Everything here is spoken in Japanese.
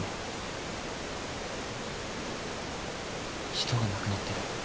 人が亡くなってる。